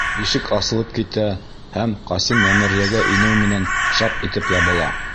Ишек асылып китә һәм, Ҡасим мәмерйәгә инеү менән, шап итеп ябыла.